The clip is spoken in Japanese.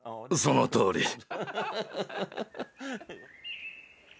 そのとおり！